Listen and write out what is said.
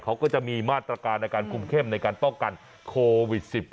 เขาก็จะมีมาตรการในการคุมเข้มในการป้องกันโควิด๑๙